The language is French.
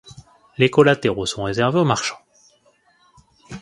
Les collatéraux sont réservés aux marchands.